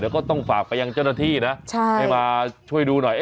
ก็ต้องฝากไปยังเจ้าหน้าที่นะให้มาช่วยดูหน่อย